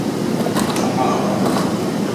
Θα πάω!